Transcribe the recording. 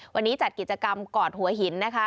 วันนี้จัดกิจกรรมกอดหัวหินนะคะ